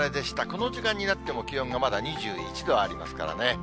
この時間になっても気温がまだ２１度ありますからね。